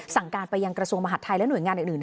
สั่งการไปยังกระทรวงมหาดไทยและหน่วยงานอื่น